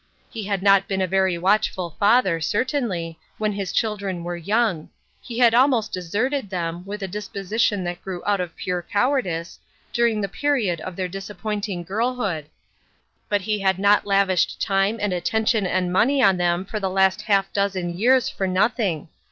He had not been a very watchful father, certainly, when his children were young ; he had almost deserted them, with a disposition that grew out of pure cowardice, during the period of their disappointing girlhood ; but he had not lavished time and attention and money on them for the last half dozen years for nothing.